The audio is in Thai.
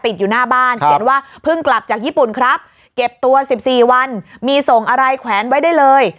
อยู่หน้าบ้านเขียนว่าเพิ่งกลับจากญี่ปุ่นครับเก็บตัวสิบสี่วันมีส่งอะไรแขวนไว้ได้เลย